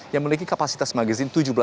yang memiliki kapasitas magazine